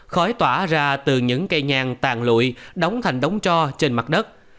khói tỏa ra từ những cây nhang tàn lụi đóng thành đống cho trên mặt đất